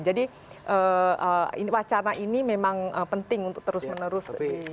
jadi wacana ini memang penting untuk terus menerus